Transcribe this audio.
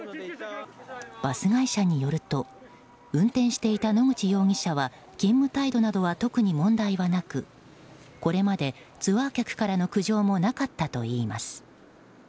バス会社によると運転していた野口容疑者は勤務態度などは特に問題はなくこれまでツアー客からの苦情もなかったといいます。